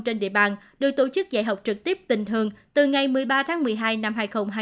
trên địa bàn được tổ chức dạy học trực tiếp tình thương từ ngày một mươi ba tháng một mươi hai năm hai nghìn hai mươi